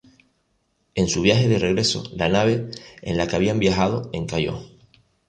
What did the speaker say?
En su viaje de regreso, la nave en la que habían viajado encalló.